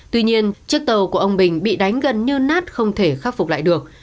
tuy nhiên chiếc tàu của ông bình bị đánh gần như nát không thể khắc phục lại được